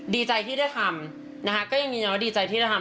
ดีใจที่ได้ทำก็ยังไงนะว่าดีใจที่ได้ทำ